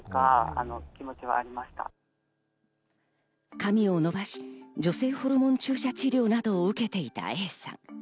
髪を伸ばし、女性ホルモン注射治療などを受けていたＡさん。